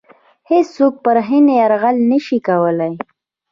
هیڅوک پر هند یرغل نه شي کولای.